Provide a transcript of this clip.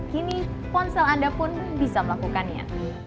kini ponsel anda pun bisa melakukannya